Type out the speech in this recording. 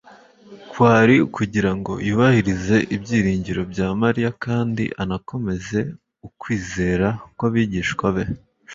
Kwari ukugira ngo yubahirize ibyiringiro bya Mariya kandi anakomeze ukwizera kw'abigishwa be;